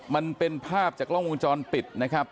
มันเป็นภาพจากกล้องวงจรปิดนะครับ